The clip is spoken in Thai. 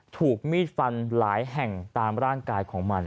ถูกมีดฟันหลายแห่งตามร่างกายของมัน